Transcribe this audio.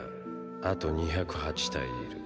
あと２０８体いる。